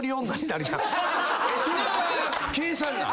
それは計算なん？